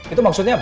itu maksudnya apa